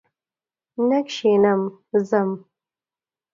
نه کښېنم ځم!